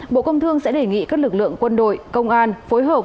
bộ công thương sẽ đề nghị các lực lượng quân đội công an phối hợp